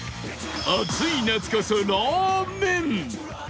暑い夏こそラーメン！